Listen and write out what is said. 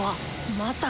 まさか！